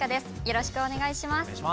よろしくお願いします。